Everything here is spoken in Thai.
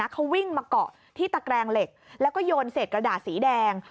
เขาวิ่งมาเกาะที่ตะแกรงเหล็กแล้วก็โยนเศษกระดาษสีแดง